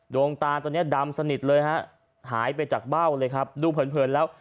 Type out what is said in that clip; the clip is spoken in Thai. ดวงตาตอนนี้ดำสนิทเลยฮะหายไปจากเบ้าเลยครับดูเผินแล้ว